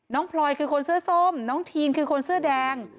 พลอยคือคนเสื้อส้มน้องทีนคือคนเสื้อแดง